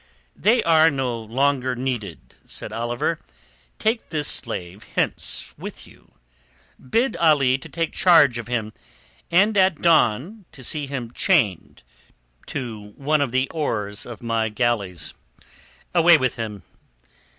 "They are no longer needed," said Oliver. "Take this slave hence with you. Bid Ali to take charge of him, and at dawn to see him chained to one of the oars of my galeasse. Away with him."